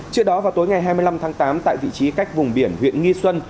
trước đó vào tối ngày hai mươi năm tháng tám tại vị trí cách vùng biển huyện nghi xuân